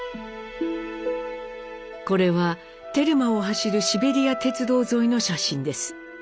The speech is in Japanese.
これはテルマを走るシベリア鉄道沿いの写真です。